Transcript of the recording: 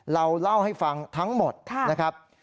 เราเล่าให้ฟังทั้งหมดนะครับ